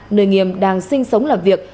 nơi nghiêm đang sinh sống làm việc